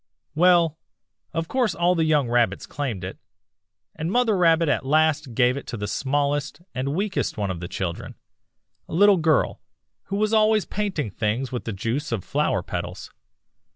"'Well, of course all the young Rabbits claimed it, and Mother Rabbit at last gave it to the smallest and weakest one of the children, a little girl, who was always painting things with the juice of flower petals.